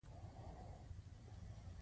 چې موږ د هغې ښځې کرامت مراعات کړی دی.